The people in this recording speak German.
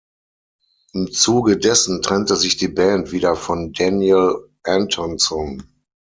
Im Zuge dessen trennte sich die Band wieder von Daniel Antonsson.